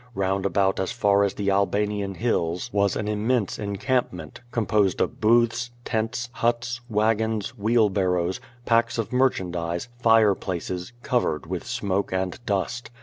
Bound about as far as the Albanian Hills was an immense encampment, composed of booths, tents, huts, wagons, wheelbarrows, packs of mer chandise, fire places, covered with smoke and dust.